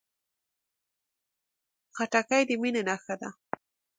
خټکی د مینې نښه ده.